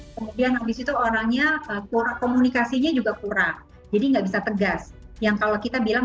kemudian habis itu orangnya komunikasinya juga kurang jadi nggak bisa tegas yang kalau kita bilang